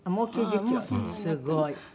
すごい。